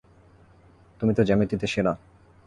তুমি তো জ্যামিতিতে সেরা।